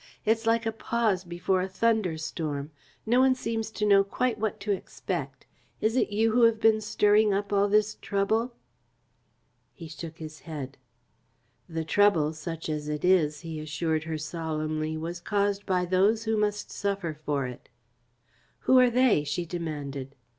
It's like a pause before a thunder storm. No one seems to know quite what to expect. Is it you who have been stirring up all this trouble?" He shook his head. "The trouble, such as it is," he assured her solemnly, "was caused by those who must suffer for it." "Who are they?" she demanded.